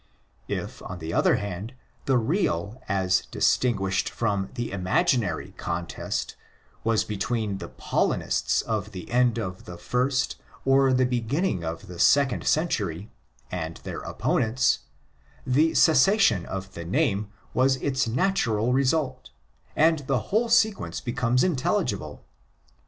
If, on the other hand, the real as distinguished from the imaginary contest was between the Paulinists of the end of the first or the beginning of the second century and their opponents, the cessation of the name was its natural result, and the whole sequence becomes intelligible.